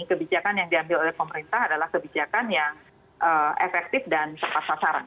kebijakan yang diambil oleh pemerintah adalah kebijakan yang efektif dan tepat sasaran